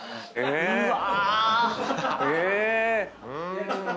うわ！